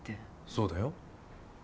そうだよ。